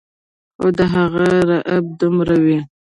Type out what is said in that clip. خو د هغو رعب دومره وي